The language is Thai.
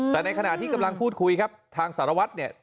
แต่ในขณะที่กำลังพูดคุยครับทางสารวัตรเนี่ย